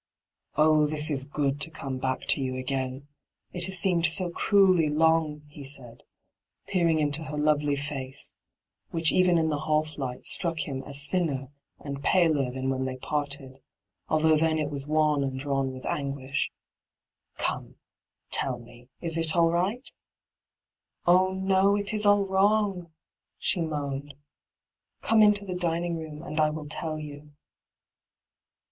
' Oh, this is good, to oome back to you ^ain I it baa seemed bo cmeUy long,' he said, peering into her lovely faoe, which even in the half light struck him as thinner and paler than when they parted, although then it was wan and drawn with anguish, * Gome, tell me, is it aU right ?' 'Oh no ; it is all wrong,' she moaned. ' Come into the dining room, and I will tell you.'